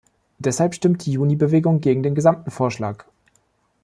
Deshalb stimmt die Junibewegung gegen den gesamten Vorschlag.